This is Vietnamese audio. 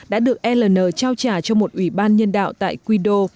đã được ln trao trả cho một ủy ban nhân đạo tại quydo